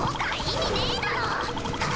意味ねえだろ！